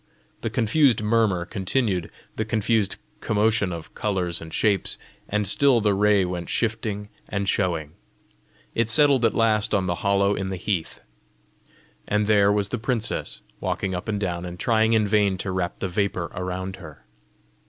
The confused murmur continued, the confused commotion of colours and shapes; and still the ray went shifting and showing. It settled at last on the hollow in the heath, and there was the princess, walking up and down, and trying in vain to wrap the vapour around her!